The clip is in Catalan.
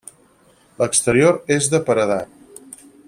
L'exterior és de paredat.